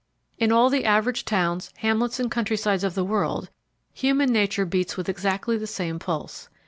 In all the average towns, hamlets and country sides of the world human nature beats with exactly the same pulse.